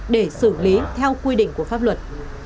để xử lý theo quy định của pháp luật